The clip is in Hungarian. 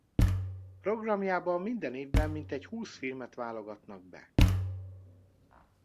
Programjába minden évben mintegy húsz filmet válogatnak be.